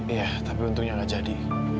iya tapi untungnya nggak jadi